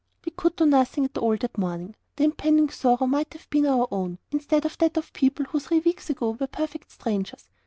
We could do nothing at all that morning. The impending sorrow might have been our own, instead of that of people who three weeks ago were perfect strangers.